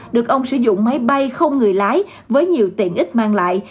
được ông sử dụng máy bay không người lái với nhiều tiện ích mang lại